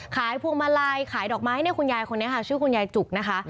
พวงมาลัยขายดอกไม้เนี่ยคุณยายคนนี้ค่ะชื่อคุณยายจุกนะคะ